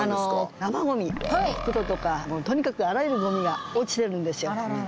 生ゴミ袋とかもうとにかくあらゆるゴミが落ちてるんですよ。